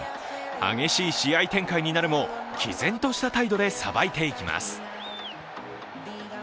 激しい試合展開になるも毅然とした態度でさばいていきます。